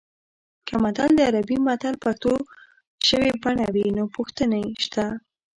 که متل د عربي مثل پښتو شوې بڼه وي نو پوښتنې شته